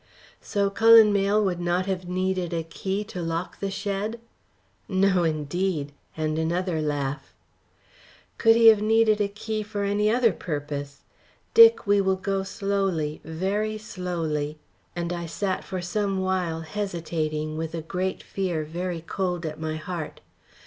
"So Cullen Mayle would not have needed a key to lock the shed?" "No, indeed!" and another laugh. "Could he have needed a key for any other purpose? Dick, we will go slowly, very slowly," and I sat for some while hesitating with a great fear very cold at my heart.